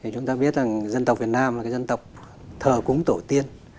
chúng ta biết rằng dân tộc việt nam là dân tộc thờ cúng tổ tiên